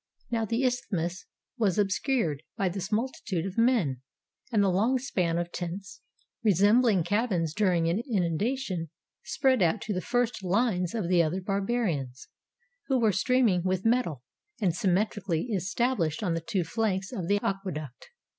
Now the isthmus was obscured by this multitude of men, and the long span of tents, resembling cabins during an inundation, spread out to the first lines of the other Barbarians, who were streaming with metal, and sym metrically established on the two flanks of the aqueduct.